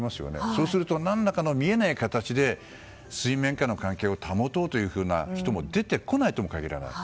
そうすると何らかの見えない形で水面下の関係を保つ人が出てこないとも限らない。